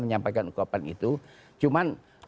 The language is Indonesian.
menyampaikan ukapan itu cuman